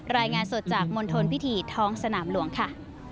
รายงานสดจากมณฑลพิธีท้องสนามหลวงค่ะ